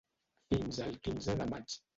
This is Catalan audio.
Fins al quinze de maig.